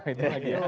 itu lagi ya